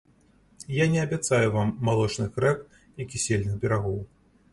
Я не абяцаю вам малочных рэк і кісельных берагоў!